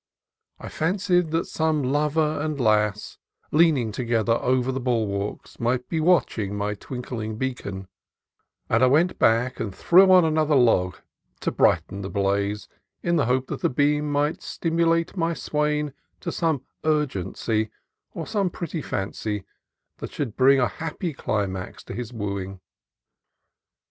I fancied that some lover and lass, leaning to gether over the bulwarks, might be watching my twinkling beacon, and I went back and threw on another log to brighten the blaze, in the hope that the beam might stimulate my swain to some urg ency, or some pretty fancy, that should bring a happy climax to his wooing.